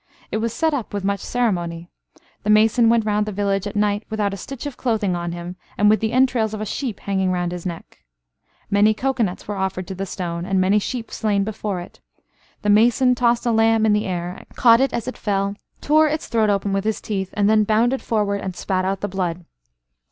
It was set up with much ceremony. The mason went round the village at night without a stitch of clothing on him, and with the entrails of a sheep hanging round his neck. Many cocoanuts were offered to the stone, and many sheep slain before it. The mason tossed a lamb in the air, caught it as it fell, tore its throat open with his teeth, and then bounded forward, and spat out the blood.